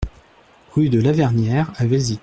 Rue de Lavernière à Velzic